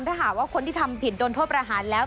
ถ้าหากว่าคนที่ทำผิดโดนโทษประหารแล้ว